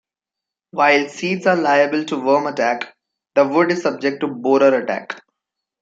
While seeds are liable to worm attack, the wood is subject to borer attack.